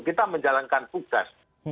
kita menjalankan tugas